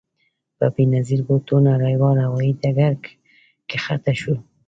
په بې نظیر بوټو نړیوال هوايي ډګر کښته شوو.